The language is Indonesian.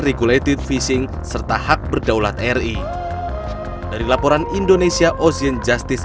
regulated fishing serta hak berdaulat ri dari laporan indonesia ocean justice